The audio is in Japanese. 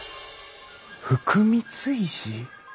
福光石！？